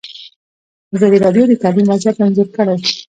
ازادي راډیو د تعلیم وضعیت انځور کړی.